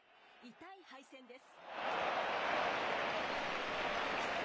痛い敗戦です。